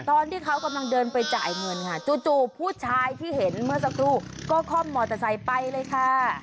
ตอนที่เขากำลังเดินไปจ่ายเงินค่ะจู่ผู้ชายที่เห็นเมื่อสักครู่ก็ค่อมมอเตอร์ไซค์ไปเลยค่ะ